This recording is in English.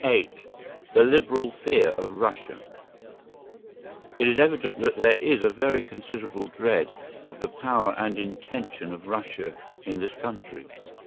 VIII THE LIBERAL FEAR OF RUSSIA It is evident that there is a very considerable dread of the power and intentions of Russia in this country.